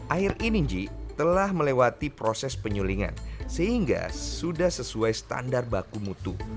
air ini ji telah melewati proses penyulingan sehingga sudah sesuai standar baku mutu